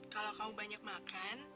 kalau kamu banyak makan